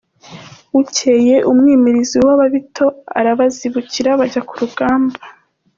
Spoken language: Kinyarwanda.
Bukeye umwimirizi w’Ababito arabazibukira bajya ku rugamba.